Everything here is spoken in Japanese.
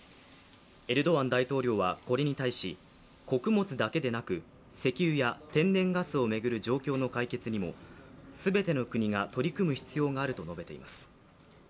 エルドアン大統領はこれに対し穀物だけでなく、石油や天然ガスを巡る状況の解決にも全ての国が取り組む必要があると述べています。